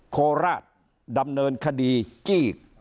โคราชดำเนินคดีจี้